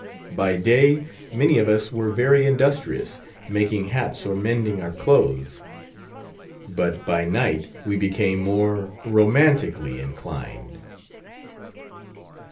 By day, many of us were very industrious, making hats or mending our clothes. But by night we became more romantically inclined.